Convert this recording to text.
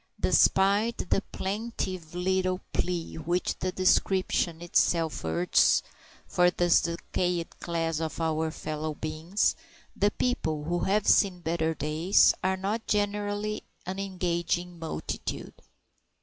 Despite the plaintive little plea which the description itself urges for this decayed class of our fellow beings, the people who "have seen better days" are not generally an engaging multitude.